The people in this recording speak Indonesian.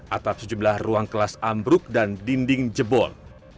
atap sejumlah ruang kelas ambruk dan dinding jebol